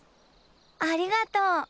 ありがとう。